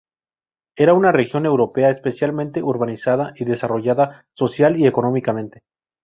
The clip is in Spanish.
Era una región europea especialmente urbanizada y desarrollada social y económicamente.